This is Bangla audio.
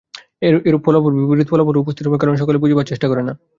এরূপ বিপরীত ফল উপস্থিত হইবার কারণ কি, তাহাও সকলে বুঝিবার চেষ্টা করে না।